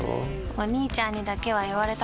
お兄ちゃんにだけは言われたくないし。